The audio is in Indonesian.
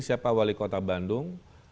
siapa wali kota bandung